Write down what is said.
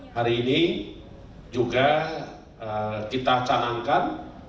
hari ini juga kita canangkan